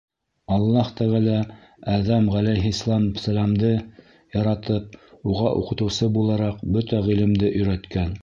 Аллаһ Тәғәлә Әҙәм ғәләйһис-сәләмде яратып, уға уҡытыусы булараҡ бөтә ғилемде өйрәткән.